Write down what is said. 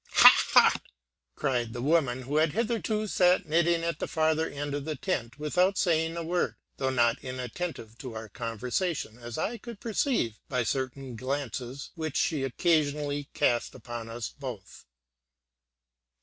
"Ha, ha!" cried the woman who had hitherto sat knitting at the farther end of the tent without saying a word, though not inattentive to our conversation, as I could perceive by certain glances which she occasionally cast upon us both.